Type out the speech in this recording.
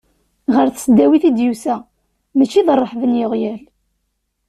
Ɣer tesdawit i d-yusa, mačči d rreḥba n yeɣyal.